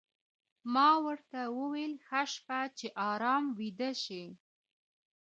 ما ورته وویل: ښه شپه، چې ارام ویده شې.